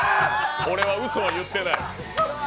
俺はうそは言ってない。